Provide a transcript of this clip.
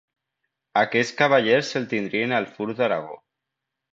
Aquests cavallers el tindrien al fur d'Aragó.